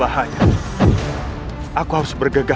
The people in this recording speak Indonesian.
apapun yang terjadi